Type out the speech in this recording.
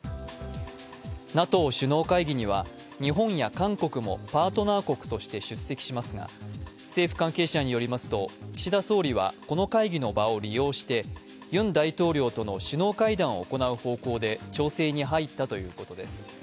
ＮＡＴＯ首脳会議には日本や韓国もパートナー国として出席しますが政府関係者によりますと、岸田総理はこの会議の場を利用してユン大統領との首脳会議を行う方向で調整に入ったということです。